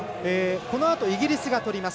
このあとイギリスがとります。